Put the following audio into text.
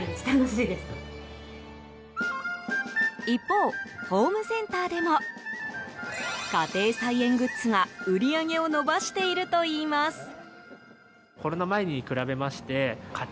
一方、ホームセンターでも家庭菜園グッズが売り上げを伸ばしているといいます。